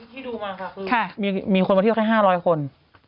ที่ดูมาค่ะคุณมีคนมาเที่ยวแค่๕๐๐คน